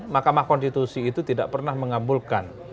mahkamah konstitusi itu tidak pernah mengabulkan